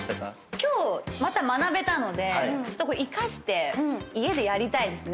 今日また学べたのでこれ生かして家でやりたいですね。